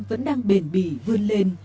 vẫn đang bền bỉ vươn lên